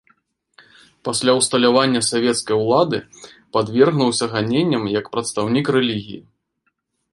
Пасля ўсталявання савецкай улады падвергнуўся ганенням як прадстаўнік рэлігіі.